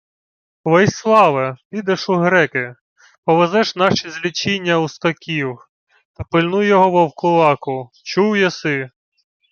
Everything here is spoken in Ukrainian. — Войславе, підеш у греки. Повезеш наші злічіння ускоків. Та пильнуй того вовкулаку. Чув єси?